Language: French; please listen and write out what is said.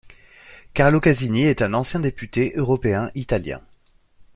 Carlo Casini est un ancien député européen italien.